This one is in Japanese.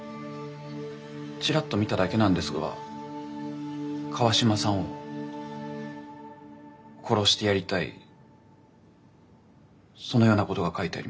ちらっと見ただけなんですが川島さんを殺してやりたいそのようなことが書いてありました。